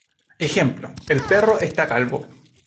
Ejemplo: El perro está calvo.